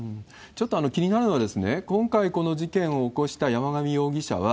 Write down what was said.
ちょっと気になるのは、今回、この事件を起こした山上容疑者は、